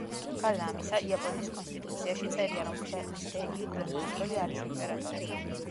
გარდა ამისა, იაპონიის კონსტიტუციაში წერია, რომ ქვეყნის დე-იურე მმართველი არის იმპერატორი.